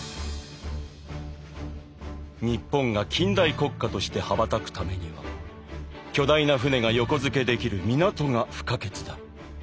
「日本が近代国家として羽ばたくためには巨大な船が横付けできる港が不可欠だ。